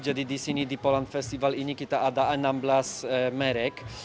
jadi di sini di polan festival ini kita ada enam belas merek